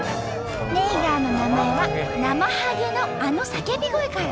ネイガーの名前はなまはげのあの叫び声から。